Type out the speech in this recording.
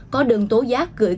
có đơn tố giác gửi cho bộ tư hcm